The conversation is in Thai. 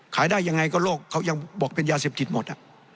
ได้ยังไงก็โลกเขายังบอกเป็นยาเสพติดหมด